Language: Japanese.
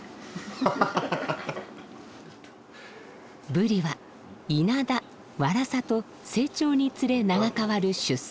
ブリはイナダワラサと成長につれ名が変わる出世魚。